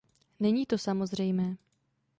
Není to samozřejmé.